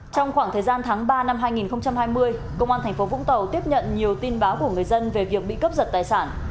trong khoảng thời gian tháng ba năm hai nghìn hai mươi công an tp vũng tàu tiếp nhận nhiều tin báo của người dân về việc bị cướp giật tài sản